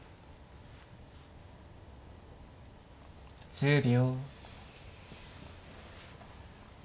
１０秒。